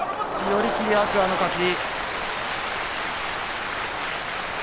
寄り切り、天空海の勝ち。